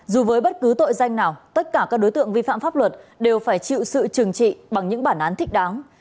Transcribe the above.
dù với bất cứ tội danh nào tất cả các đối tượng vi phạm pháp luật đều phải chịu sự trừng trị bằng những bản án thích đáng